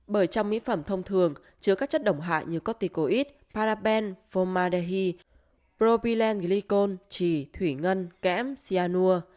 bởi trong mỹ phẩm thông thường chứa các chất động hại như corticoid paraben formadehi propylene glycol trì thủy ngân kẽm cyanur